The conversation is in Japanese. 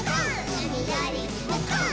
うみよりむこう！？」